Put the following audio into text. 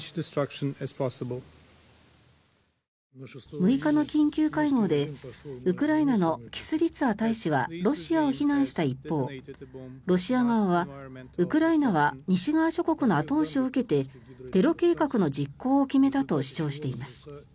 ６日の緊急会合でウクライナのキスリツァ大使はロシアを非難した一方ロシア側はウクライナは西側諸国の後押しを受けてテロ計画の実行を決めたと主張しています。